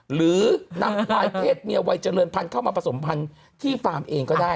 หรือนำควายเพศเมียวัยเจริญพันธุ์เข้ามาผสมพันธุ์ที่ฟาร์มเองก็ได้